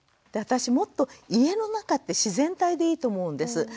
私もっと家の中って自然体でいいと思うんです。